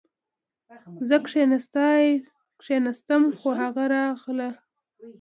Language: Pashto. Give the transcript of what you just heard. زه کښېناستم خو هغه راغله